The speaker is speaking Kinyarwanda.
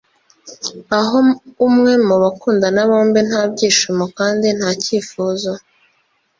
Aho umwe mubakundana bombi nta byishimo kandi nta cyifuzo